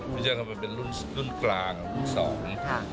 พี่แจ้ก็เป็นรุ่นกลางรุ่นสอง